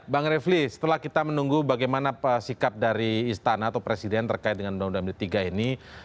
bang refli setelah kita menunggu bagaimana sikap dari istana atau presiden terkait dengan undang undang md tiga ini